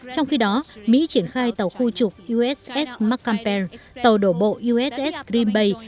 trong khi đó mỹ triển khai tàu khu trục uss maccampere tàu đổ bộ uss green bay